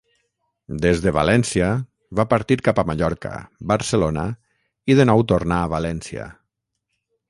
Des de València va partir cap a Mallorca, Barcelona i de nou tornà a València.